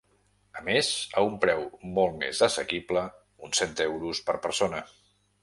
A més, a un preu molt més assequible, ‘uns cent euros’ per persona.